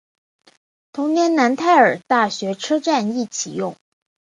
同年楠泰尔大学车站亦启用。